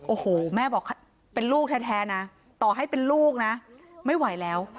โอ้โหแม่บอกเป็นลูกแท้นะต่อให้เป็นลูกนะไม่ไหวแล้ว